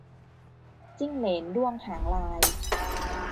จิ้งเหลนด้วงหางลาย